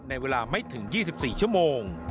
ในเวลาไม่ถึง๒๔ชั่วโมง